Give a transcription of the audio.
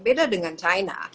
beda dengan china